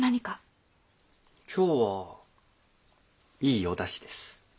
今日はいいおだしです。